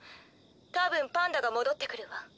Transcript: たぶんパンダが戻ってくるわ。